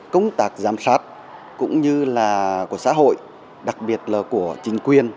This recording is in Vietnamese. công tác giám sát cũng như là của xã hội đặc biệt là của chính quyền